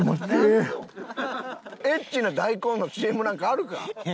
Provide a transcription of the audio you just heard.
エッチな大根のＣＭなんかあるか！